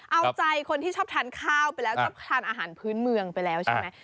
เอาใจคนที่ชอบทานข้าวไปแล้วชอบทานอาหารพื้นเมืองไปแล้วใช่ไหม